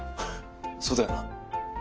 そうだよな。